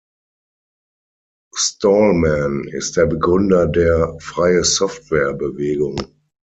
Stallman ist der Begründer der Freie-Software-Bewegung.